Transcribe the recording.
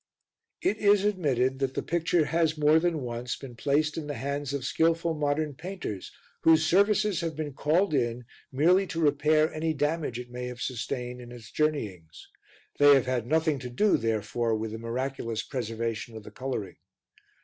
It is admitted that the picture has, more than once, been placed in the hands of skilful modern painters whose services have been called in merely to repair any damage it may have sustained in its journeyings they have had nothing to do therefore with the miraculous preservation of the colouring.